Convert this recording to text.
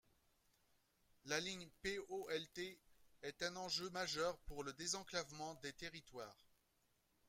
La ligne POLT est un enjeu majeur pour le désenclavement des territoires.